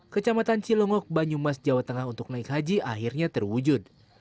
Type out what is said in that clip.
kecamatan cilongok banyumas jawa tengah untuk naik haji akhirnya terwujud